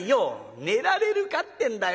「寝られるかってんだよ